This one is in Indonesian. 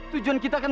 tujuan kita kan